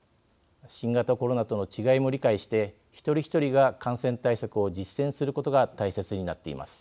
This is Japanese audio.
新型コロナとの違いも理解して一人一人が感染対策を実践することが大切になっています。